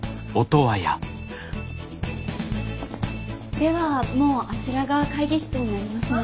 ではもうあちらが会議室になりますので。